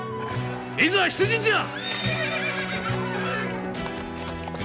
いざ出陣じゃ！